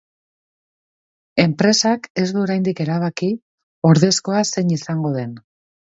Enpresak ez du oraindik erabaki ordezkoa zein izango den.